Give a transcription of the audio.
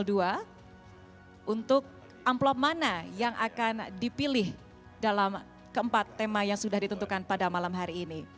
untuk amplop mana yang akan dipilih dalam keempat tema yang sudah ditentukan pada malam hari ini